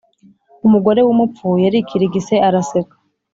Umugore w’umupfu yarikirigise araseka.